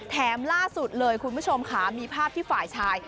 ล่าสุดเลยคุณผู้ชมค่ะมีภาพที่ฝ่ายชาย